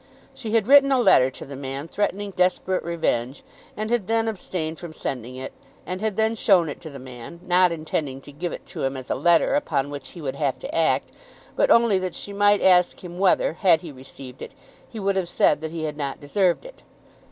She had written a letter to the man threatening desperate revenge, and had then abstained from sending it, and had then shown it to the man, not intending to give it to him as a letter upon which he would have to act, but only that she might ask him whether, had he received it, he would have said that he had not deserved it.